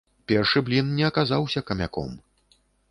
Першы блін не аказаўся камяком.